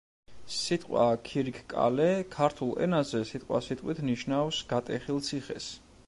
სიტყვა ქირიქკალე ქართულ ენაზე სიტყვასიტყვით ნიშნავს გატეხილ ციხეს.